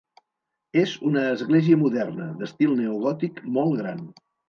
És una església moderna, d'estil neogòtic, molt gran.